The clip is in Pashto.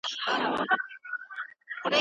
په وضعي قوانینو کي ډېرې نیمګړتیاوې سته.